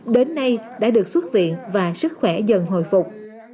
đến nay đã được xuất viện và sức khỏe dần hồi phục